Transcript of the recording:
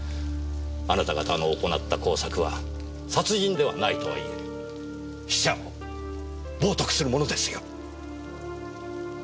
あなた方の行った工作は殺人ではないとはいえ死者を冒涜するものですよ！